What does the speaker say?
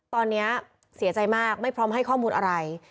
ตอนนี้เสียใจมากไม่พร้อมให้ข้อมูลอะไร